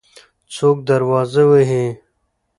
څوک دروازه وهي؟